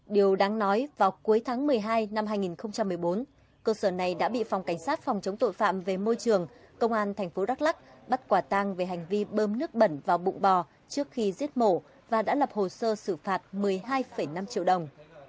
điều đáng nói vào cuối tháng một mươi hai năm hai nghìn một mươi bốn cơ sở này đã bị phòng cảnh sát phòng chống tội phạm về môi trường công an tp đắk lắc bắt quả tang về hành vi bơm nước bẩn vào bụng bò trước khi giết mổ và đã lập hồ sơ xử phạt một mươi hai năm triệu đồng